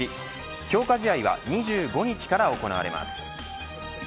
強化試合は２５日から行われます。